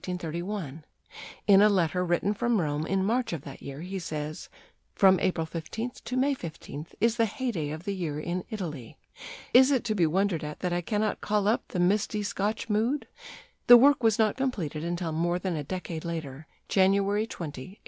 In a letter written from Rome in March of that year he says: "From April 15th to May 15th is the heyday of the year in Italy. Is it to be wondered at that I cannot call up the misty Scotch mood?" The work was not completed until more than a decade later January 20, 1842.